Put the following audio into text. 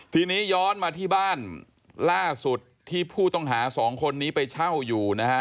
ทีนี้ย้อนมาที่บ้านล่าสุดที่ผู้ต้องหาสองคนนี้ไปเช่าอยู่นะฮะ